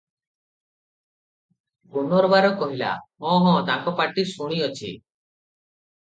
ପୁନର୍ବାର କହିଲା, " ହଁ ହଁ ତାଙ୍କ ପାଟି ଶୁଣିଅଛି ।